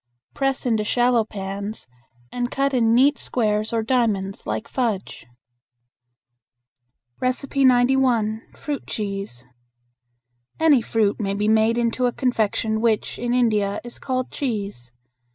Press into shallow pans and cut in neat squares or diamonds like fudge. 91. Fruit Cheese. Any fruit may be made into a confection which, in India, is called "cheese."